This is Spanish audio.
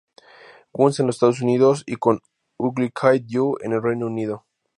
Guns en los Estados Unidos, y con Ugly Kid Joe en el Reino Unido.